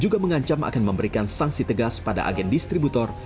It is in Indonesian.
juga mengancam akan memberikan sanksi tegas pada agen distributor